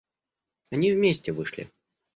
Они вместе вышли.